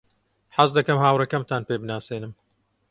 حەز دەکەم هاوڕێکەمتان پێ بناسێنم.